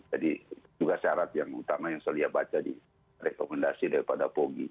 jadi juga syarat yang utama yang selia baca di rekomendasi daripada pog